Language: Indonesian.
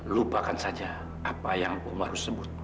lupakan saja apa yang om harus sebut